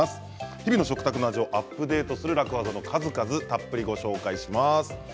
日々の食卓の味をアップデートする楽ワザをたっぷりご紹介します。